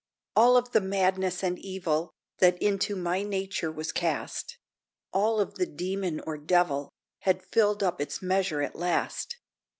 All of the madness and evil That into my nature was cast; All of the demon or devil Had filled up its measure at last.